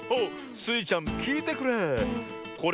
スイちゃんきいてくれ。